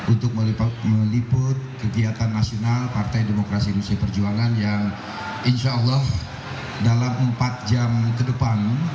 untuk meliput kegiatan nasional partai demokrasi indonesia perjuangan yang insya allah dalam empat jam ke depan